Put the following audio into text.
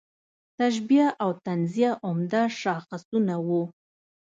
تشبیه او تنزیه عمده شاخصونه وو.